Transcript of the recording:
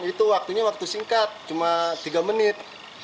itu waktunya waktu singkat cuma tiga menit